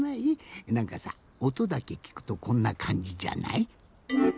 なんかさおとだけきくとこんなかんじじゃない？